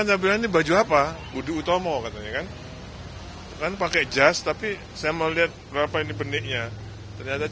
saya cuma mau ngejengkel ya